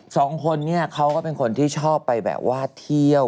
สองคนเขาก็เป็นคนที่ชอบไปวาดที่เที่ยว